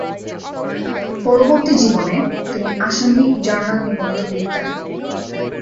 পরবর্তী জীবনে, তিনি আসামি জার্নাল নিবন্ধ লিখতেন।